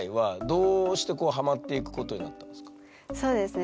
そうですね。